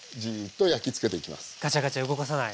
ガチャガチャ動かさない。